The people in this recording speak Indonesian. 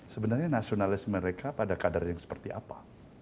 sebenarnya nasionalisme mereka pada kadar yang seperti apa